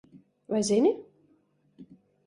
Vai zini?